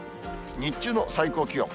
日中の最高気温。